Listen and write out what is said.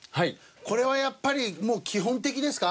これはやっぱり基本的ですか？